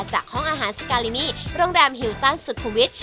ห้องอาหารสการินี่โรงแรมหิวตั้นสุขุมวิทย์